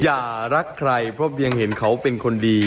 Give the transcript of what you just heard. อย่ารักใครเพราะเพียงเห็นเขาเป็นคนดี